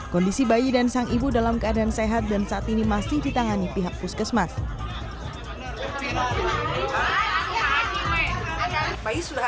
kondisi bayi dan sang ibu dalam keadaan sehat dan saat ini masih ditangani pihak puskesmas